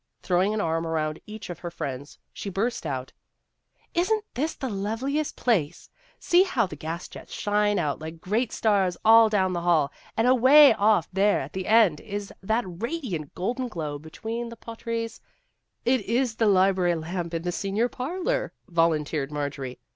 Throwing an arm around each of her friends, she burst out :" Is n't this the loveliest place ! See how the gas jets shine out like great stars all down the hall, and away off there at the end is that radiant golden globe between the portieres " It is the library lamp in the senior parlor," volunteered Marjorie.